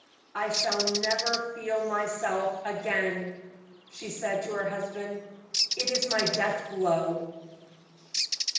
"I shall never feel myself again," she said to her husband; "it is my death blow."